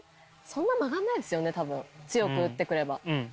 そんな曲がんないですよね多分強く打ってくれば。